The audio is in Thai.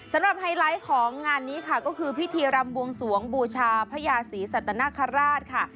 ไฮไลท์ของงานนี้ค่ะก็คือพิธีรำบวงสวงบูชาพระยาศรีสัตนคราชค่ะ